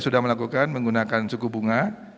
sudah melakukan menggunakan suku bunga